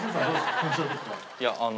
いやあの。